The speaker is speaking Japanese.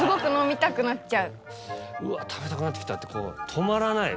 「うわ食べたくなってきた」ってこう止まらない。